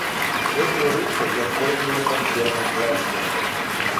Этой ручкой я пользовался в первом классе.